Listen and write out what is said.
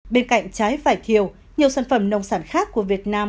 bên cạnh trái vải thiều nhiều sản phẩm nông sản khác của việt nam